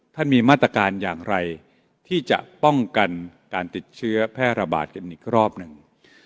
มีมาตรการอย่างไรที่จะป้องกันการติดเชื้อแพร่ระบาดกันอีกรอบหนึ่ง